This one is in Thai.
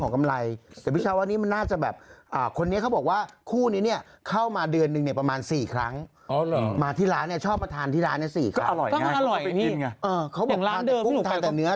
ทั้งค่าอร่อยอย่างนี้เขาไปกินไงอย่างร้านเดิมทานแต่กุ้งทานแต่เนื้อทานแต่กุ้งทานแต่เนื้อ